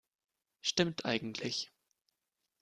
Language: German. Stimmt eigentlich.